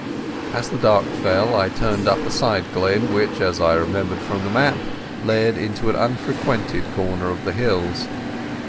As the dark fell I turned up a side glen which, as I remember from the map, led into an unfrequented corner of the hills.